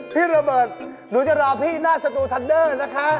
พี่โรเบิร์ตหนูจะรอพี่หน้าสตูทันเดอร์นะคะ